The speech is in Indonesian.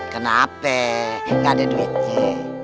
kenapa gak ada duitnya